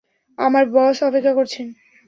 আমার বস অপেক্ষা করছেন।